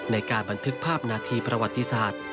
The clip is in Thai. ในการบันทึกภาพนาทีประวัติศาสตร์